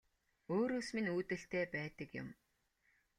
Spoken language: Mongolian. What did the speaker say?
Өөрөөс минь үүдэлтэй байдаг юм